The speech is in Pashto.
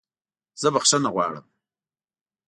زه بخښنه غواړم!